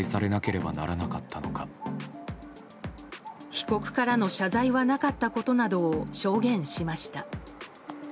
被告からの謝罪はなかったことなどを証言しました。